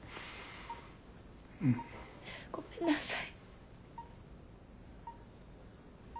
うん。ごめんなさい。